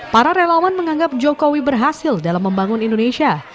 para relawan menganggap jokowi berhasil dalam membangun indonesia